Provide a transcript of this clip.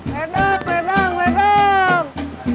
ledang ledang ledang